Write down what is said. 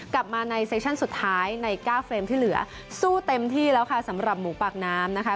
กลับมาในเซชั่นสุดท้ายในเก้าเฟรมที่เหลือสู้เต็มที่แล้วค่ะสำหรับหมูปากน้ำนะคะ